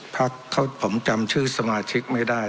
พักผมจำชื่อสมาชิกไม่ได้